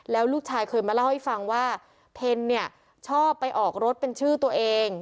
แล้วลูกชายเคยมาเล่าให้ฟังว่าเพนเนี่ยชอบไปออกรถเป็นชื่อตัวเอง